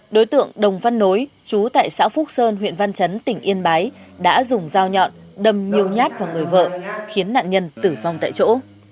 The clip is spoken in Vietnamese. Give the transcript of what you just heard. đối tượng đồng văn nối chú tại xã phúc sơn huyện văn chấn tỉnh yên bái đã dùng dao nhọn đâm nhiều nhát vào người vợ khiến nạn nhân tử vong tại chỗ